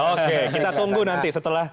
oke kita tunggu nanti setelah